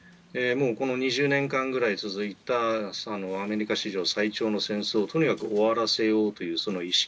この２０年間ぐらい続いたアメリカ史上最長の戦争をとにかく終わらせようという意識